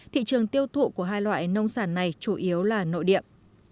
thị trường tiêu thụ của hai loại nông sản này chủ yếu là nội điệp